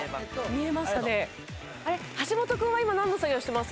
橋本君は今なんの作業してます？